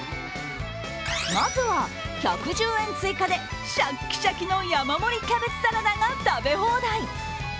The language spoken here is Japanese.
まずは、１１０円追加でシャッキシャキの山盛りキャベツサラダが食べ放題。